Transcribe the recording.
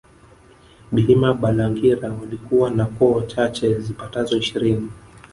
Bahima Balangira walikuwa na koo chache zipatazo ishirini